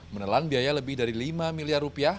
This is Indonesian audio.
menelan biaya lebih dari lima miliar rupiah